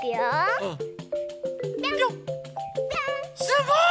すごい！